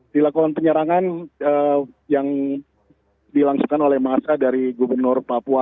dilakukan penyerangan yang dilangsungkan oleh massa dari gubernur papua